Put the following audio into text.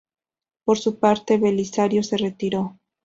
Por su parte, Belisario se retiró.